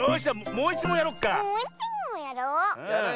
もういちもんやろう。